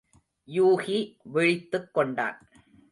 யூகி விழித்துக் கொண்டான்.